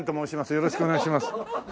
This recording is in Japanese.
よろしくお願いします。